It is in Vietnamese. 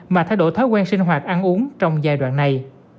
mà thay đổi thói quen sinh hoạt ăn uống trong giai đoạn này